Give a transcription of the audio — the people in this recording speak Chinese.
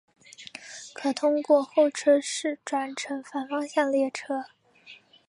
可通过候车室转乘反方向列车。